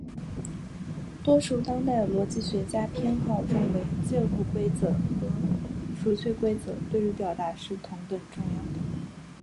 多数当代逻辑学家偏好认为介入规则和除去规则对于表达是同等重要的。